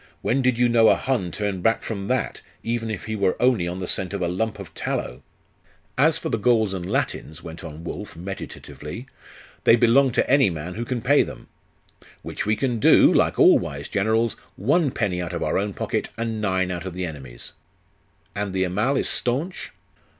When did you know a Hun turn back from that, even if he were only on the scent of a lump of tallow?' 'As for the Gauls and Latins,'.... went on Wulf meditatively, 'they belong to any man who can pay them.'.... 'Which we can do, like all wise generals, one penny out of our own pocket, and nine out of the enemy's. And the Amal is staunch?